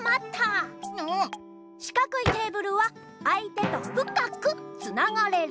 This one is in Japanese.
しかくいテーブルはあい手とふかくつながれる。